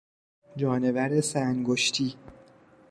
جانور سه انگشتی